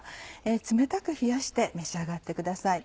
冷たく冷やして召し上がってください。